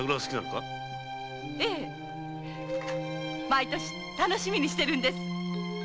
毎年楽しみにしてるんです。